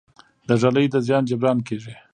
د ږلۍ د زیان جبران کیږي؟